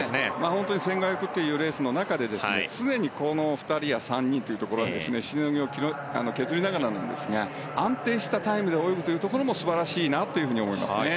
本当に１５００ｍというレースの中で常にこの２人や３人というところでしのぎを削りながらなんですが安定したタイムで泳ぐというところも素晴らしいなと思いますね。